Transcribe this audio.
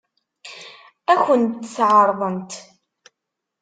Ad kent-t-ɛeṛḍent?